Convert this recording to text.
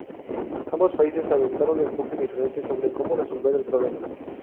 Ambos países adoptaron enfoques diferentes sobre cómo resolver el problema.